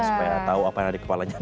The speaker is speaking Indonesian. supaya tau apa yang ada di kepalanya dong